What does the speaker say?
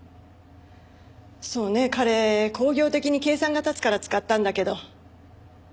そうね彼興行的に計算が立つから使ったんだけど。